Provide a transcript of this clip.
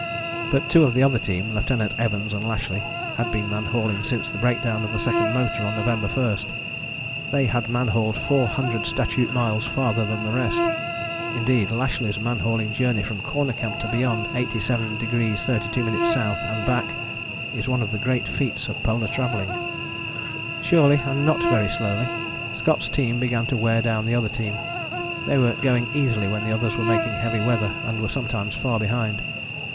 But two of the other team, Lieutenant Evans and Lashly, had been man hauling since the breakdown of the second motor on November 1. They had man hauled four hundred statute miles farther than the rest. Indeed Lashly's man hauling journey from Corner Camp to beyond 87° 32´ S., and back, is one of the great feats of polar travelling. Surely and not very slowly, Scott's team began to wear down the other team. They were going easily when the others were making heavy weather and were sometimes far behind.